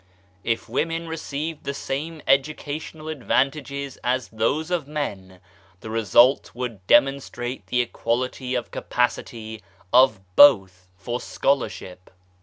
If women received the same educational advantages as those of men, the result would demonstrate the equality of capacity of both for scholarship.